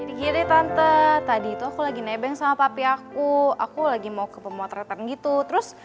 jadi gede tante tadi itu aku lagi nebeng sama papi aku aku lagi mau ke pemotretan gitu terus